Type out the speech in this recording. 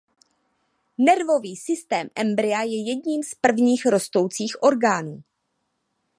Nervový systém embrya je jedním z prvních rostoucích orgánů.